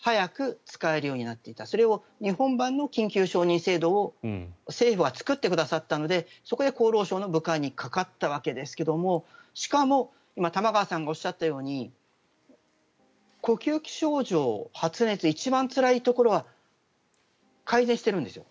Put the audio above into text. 欧米では緊急承認制度がありますから早く使えるようになっていたそれを日本版の緊急承認制度を政府は作ってくださったのでそこで厚労省の部会にかかったわけですがしかも、玉川さんがおっしゃったように呼吸器症状、発熱一番つらいところが改善しているんですよ。